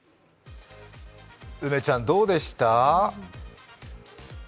梅ちゃん、どうでした？